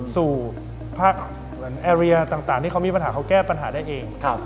สู่อาร์ทต่างที่เขามีปัญหาเข้าแก้ปัญหาได้เอง